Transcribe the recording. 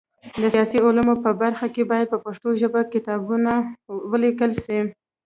د سیاسي علومو په برخه کي باید په پښتو ژبه کتابونه ولیکل سي.